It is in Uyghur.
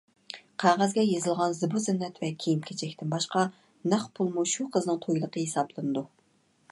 قەغەزگە يېزىلغان زىبۇ-زىننەت ۋە كىيىم-كېچەكتىن باشقا، نەق پۇلمۇ شۇ قىزنىڭ تويلۇقى ھېسابلىنىدۇ.